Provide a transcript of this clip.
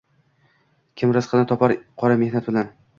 Kim rizqini topar qora mehnat bilan